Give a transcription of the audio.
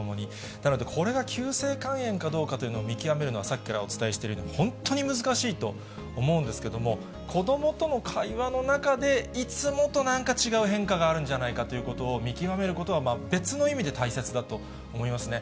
なので、これが急性肝炎かどうかというのは、見極めるのは、さっきからお伝えしているように、本当に難しいと思うんですけども、子どもとの会話の中で、いつもとなんか違う変化があるんじゃないかということを見極めることは、別の意味で大切だと思いますね。